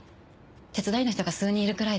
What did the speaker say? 手伝いの人が数人いるくらいで。